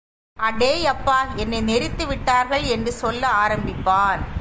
அடேயப்பா என்னை நெரித்து விட்டார்கள் என்று சொல்ல ஆரம்பிப்பான்.